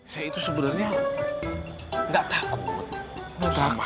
saya itu sebenarnya enggak takut